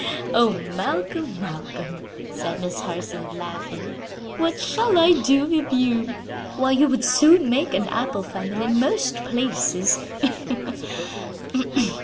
"Oh, Malcolm, Malcolm!" said Miss Harson, laughing; "what shall I do with you? Why, you would soon make an apple famine in most places.